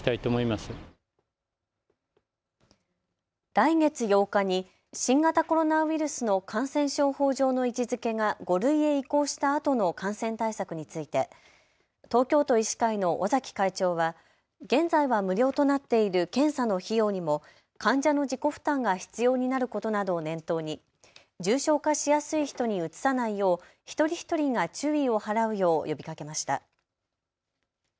来月８日に新型コロナウイルスの感染症法上の位置づけが５類へ移行したあとの感染対策について東京都医師会の尾崎会長は現在は無料となっている検査の費用にも患者の自己負担が必要になることなどを念頭に重症化しやすい人にうつさないよう一人一人が注意を払うよう呼びかけました。